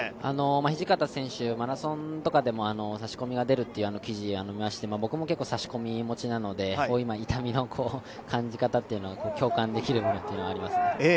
土方選手、マラソンとかでも差し込みが出るという記事を見まして、僕も結構、差し込み持ちなので、痛みの感じ方というのが共感できるものがありますね。